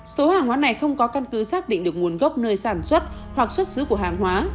số hàng hóa này không có căn cứ xác định được nguồn gốc nơi sản xuất hoặc xuất xứ của hàng hóa